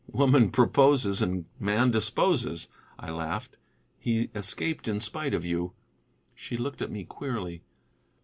"Woman proposes, and man disposes," I laughed. "He escaped in spite of you." She looked at me queerly.